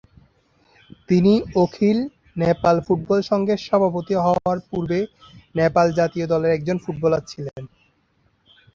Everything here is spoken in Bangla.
তিনি অখিল নেপাল ফুটবল সংঘের সভাপতি হওয়ার পূর্বে নেপাল জাতীয় দলের একজন ফুটবলার ছিলেন।